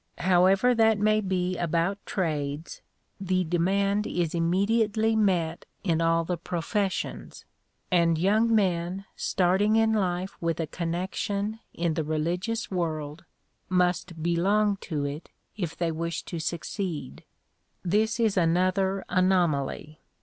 However that may be about trades, the demand is immediately met in all the professions, and young men starting in life with a "connection" in the religious world must belong to it if they wish to succeed. This is another anomaly.